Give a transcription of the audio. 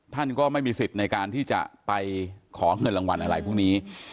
ท่านก็ไม่มีสิทธิ์ในการที่จะไปขอเงินรางวัลอะไรพวกนี้